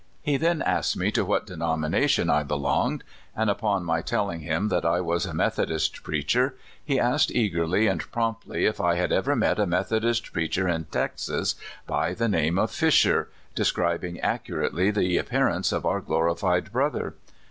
He then asked me to what denomination I belonged, and upon my telling him I was a Meth odist preacher, he asked eagerly and promptly if I had ever met a Methodist preacher in Texas by the name of Fisher, describing accurately the ap pearance of our glorified brother.